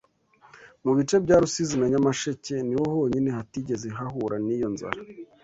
Mu bice bya Rusizi na Nyamasheke, niho honyine hatigeze hahura n’iyo nzara